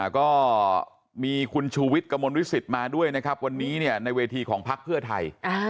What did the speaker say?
ก็มีคุณชูวิทรกะมณวิสิตมาด้วยวันนี้ในเวทีของพรรคเพื่อไทย